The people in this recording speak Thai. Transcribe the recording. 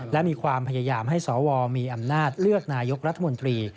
และมีความพยายามให้สวมีอำนาจเลือกนายกรัฐมนตรี